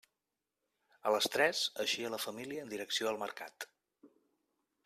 A les tres eixia la família en direcció al Mercat.